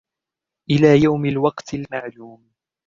إِلَى يَوْمِ الْوَقْتِ الْمَعْلُومِ